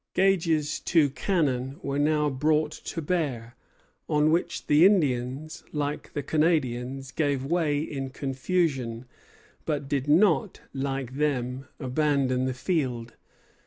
Gage's two cannon were now brought to bear, on which the Indians, like the Canadians, gave way in confusion, but did not, like them, abandon the field.